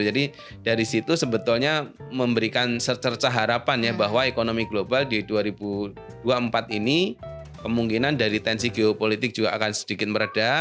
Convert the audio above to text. jadi dari situ sebetulnya memberikan secerca harapan ya bahwa ekonomi global di dua ribu dua puluh empat ini kemungkinan dari tensi geopolitik juga akan sedikit meredah